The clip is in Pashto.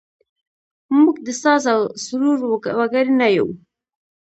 موږ د ساز او سرور وګړي نه یوو.